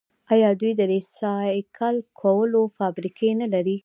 آیا دوی د ریسایکل کولو فابریکې نلري؟